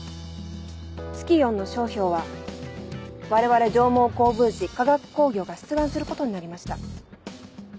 ツキヨンの商標は我々上毛高分子化学工業が出願することになりました。